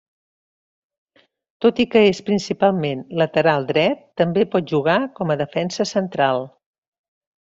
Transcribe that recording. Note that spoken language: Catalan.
Tot i que és principalment lateral dret, també pot jugar com a defensa central.